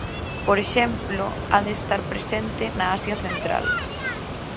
Por exemplo, a de estar presente na Asia Central.